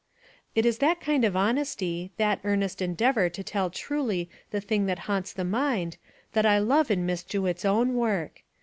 "It is that kind of honesty, that earnest endeavor to tell truly the thing that haunts the mind, that I love in Miss Jewett's own work.